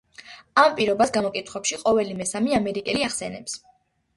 ამ პირობას გამოკითხვებში ყოველი მესამე ამერიკელი ახსენებს.